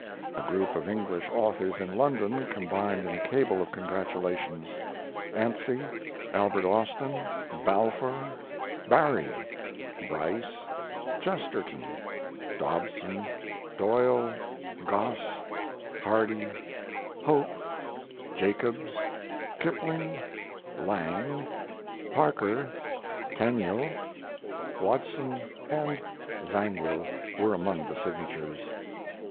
A group of English authors in London combined in a cable of congratulations. Anstey, Alfred Austin, Balfour, Barrie, Bryce, Chesterton, Dobson, Doyle, Gosse, Hardy, Hope, Jacobs, Kipling, Lang, Parker, Tenniel, Watson, and Zangwill were among the signatures.